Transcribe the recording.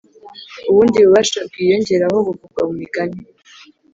Ubundi bubasha bwiyongeraho buvugwa mu migani.